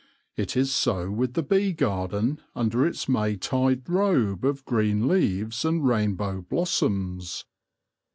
It is so with the bee garden under its Maytide robe of green leaves and rainbow blossoms.